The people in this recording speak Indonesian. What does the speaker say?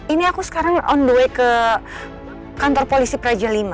ini aku sekarang on the way ke kantor polisi praja v